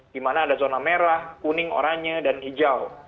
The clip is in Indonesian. dimana ada zona merah kuning oranye dan hijau